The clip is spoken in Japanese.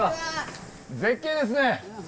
絶景ですね。